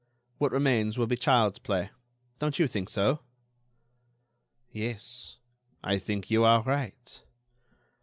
What remains will be child's play. Don't you think so?" "Yes, I think you are right."